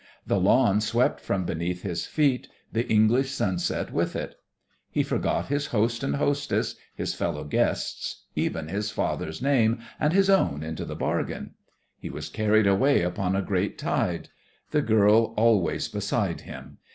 The lawn swept from beneath his feet, the English sunset with it. He forgot his host and hostess, his fellow guests, even his father's name and his own into the bargain. He was carried away upon a great tide, the girl always beside him.